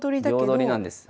両取りなんです。